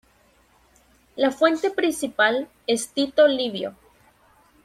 La fuente principal es Tito Livio.